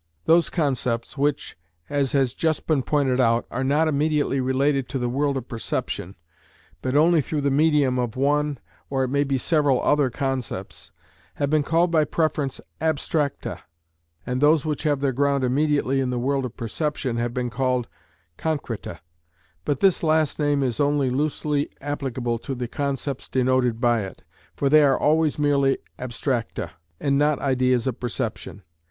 Those concepts which, as has just been pointed out, are not immediately related to the world of perception, but only through the medium of one, or it may be several other concepts, have been called by preference abstracta, and those which have their ground immediately in the world of perception have been called concreta. But this last name is only loosely applicable to the concepts denoted by it, for they are always merely abstracta, and not ideas of perception.